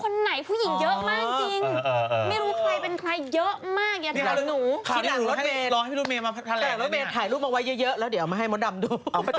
นี่กินจะบอกพี่เลย